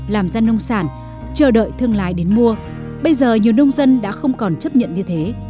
làm ra nông sản chờ đợi thương lái đến mua bây giờ nhiều nông dân đã không còn chấp nhận như thế